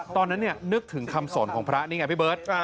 ตอนนั้นนึกถึงคำสนของพระนี่ไงพี่เบิร์ต